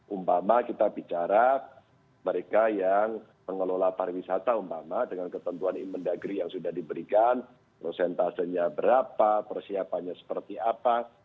umpama kita bicara mereka yang mengelola pariwisata umpama dengan ketentuan imendagri yang sudah diberikan prosentasenya berapa persiapannya seperti apa